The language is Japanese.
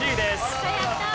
やったやったー。